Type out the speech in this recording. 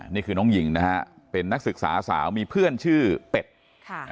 นี่คือน้องหญิงนะฮะเป็นนักศึกษาสาวมีเพื่อนชื่อเป็ดค่ะ